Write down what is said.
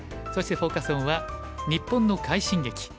そしてフォーカス・オンは「日本の快進撃！